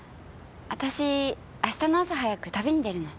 私明日の朝早く旅に出るの。